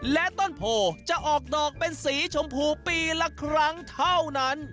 และต้นโพจะออกดอกเป็นสีชมพูปีละครั้งเท่านั้น